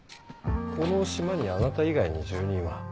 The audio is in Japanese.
この島にあなた以外に住人は？